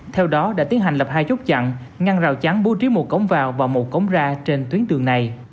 theo đó đã tiến hành lập hai chốt chặn ngăn rào chắn bố trí một cổng vào và một cống ra trên tuyến đường này